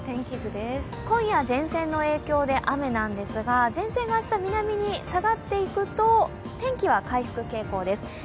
今夜は前線の影響で雨なんですが、前線が明日、南に下がっていくと天気は回復傾向です